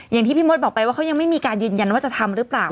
อย่างที่พี่มดบอกไปว่าเขายังไม่มีการยืนยันว่าจะทำหรือเปล่า